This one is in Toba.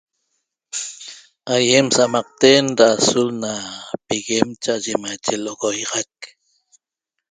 Aýem sa'amaqten da azul na piguen cha'aye maiche l'oguiaxac